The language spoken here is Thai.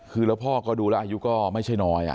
คือแล้วพ่อก็ดูแล้วอายุก็ไม่ใช่น้อย